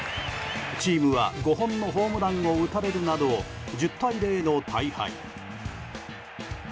チームは５本のホームランを打たれるなど１０対０の大敗。